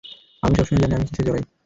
আমি সবসময়ই জানি, আমি কিসে জাড়াই।